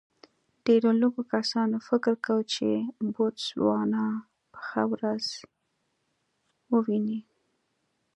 ډېرو لږو کسانو فکر کاوه چې بوتسوانا به ښه ورځ وویني.